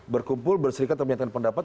berkumpul berserikat dan menyatakan pendapat